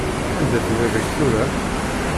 Anda-t baba-k tura?